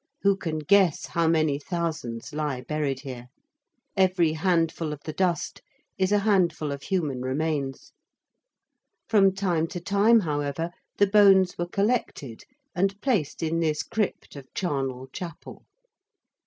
Who can guess how many thousands lie buried here? Every handful of the dust is a handful of human remains. From time to time, however, the bones were collected and placed in this crypt of Charnel Chapel.